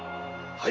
はい。